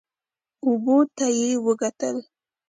اوبو ته یې وکتل.